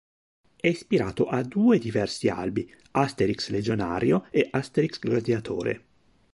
È ispirato a due diversi albi: "Asterix legionario" e "Asterix gladiatore".